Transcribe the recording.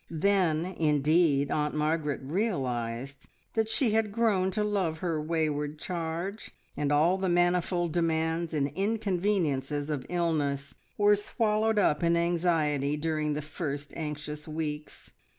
Then, indeed, Aunt Margaret realised that she had grown to love her wayward charge, and all the manifold demands and inconveniences of illness were swallowed up in anxiety during the first anxious weeks.